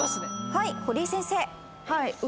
はい堀井先生。